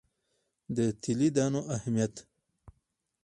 د تیلي دانو اهمیت.